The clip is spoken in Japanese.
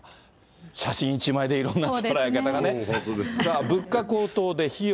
写真１枚でいろんな捉え方がね。